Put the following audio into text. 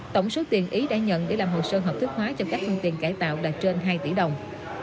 tổng số tiền ý đã nhận để làm hồ sơ hợp thức hóa cho các phương tiện cải tạo đạt trên hai tỷ đồng